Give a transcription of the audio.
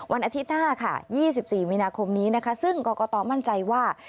วันอาทิตย์หน้าค่ะ๒๔มีนาคมนี้นะคะซึ่งกรกตมั่นใจว่า